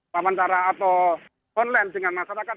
pemantara atau online dengan masyarakat